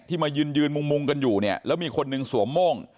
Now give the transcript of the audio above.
มายืนยืนมุงมุงกันอยู่เนี่ยแล้วมีคนหนึ่งสวมโม่ง